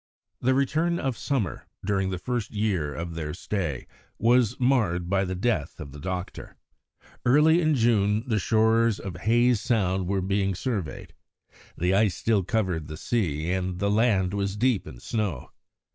The return of summer, during the first year of their stay, was marred by the death of the doctor. Early in June the shores of Hayes Sound were being surveyed. The ice still covered the sea and the land was deep in snow.